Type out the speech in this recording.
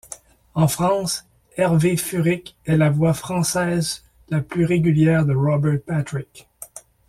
En France, Hervé Furic est la voix française la plus régulière de Robert Patrick.